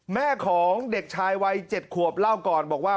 แม่ของเด็กชายวัย๗ขวบเล่าก่อนบอกว่า